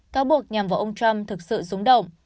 cáo buộc nhằm vào ông trump thực sự rúng động